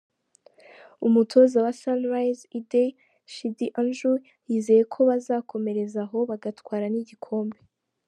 Umutoza wa Sunrise Ideh Chidi Andrew, yizeye ko bazakomereza aho bagatwara n’igikombe.